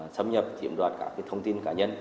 xâm nhập chiếm đoạt các thông tin cá nhân